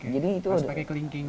jadi itu harus pakai kelingking